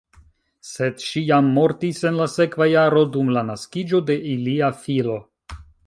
Sed ŝi jam mortis en la sekva jaro dum la naskiĝo de ilia filo.